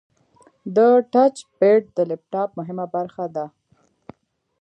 د ټچ پیډ د لپټاپ مهمه برخه ده.